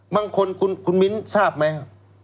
บางคนคุณมิ้นทร์ทราบไหม